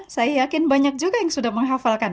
saya yakin banyak juga yang sudah menghafalkan